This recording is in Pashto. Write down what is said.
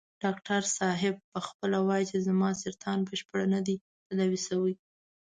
ډاکټر صاحب په خپله وايي چې زما سرطان بشپړ نه دی تداوي شوی.